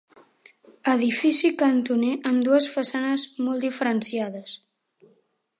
Edifici cantoner amb dues façanes molt diferenciades.